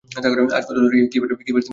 আজ কত তারিখ, কি বার তিনি কিছুই জানেন না।